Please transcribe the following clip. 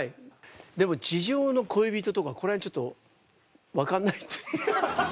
でも『地上の恋人』とかこれはちょっと分かんないです。